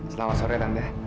selamat sore tante